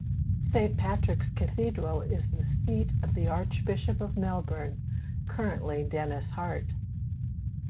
Saint Patrick's Cathedral is the seat of the archbishop of Melbourne, currently Denis Hart.